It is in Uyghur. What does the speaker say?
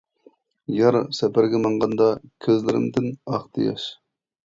يار سەپەرگە ماڭغاندا، كۆزلىرىمدىن ئاقتى ياش.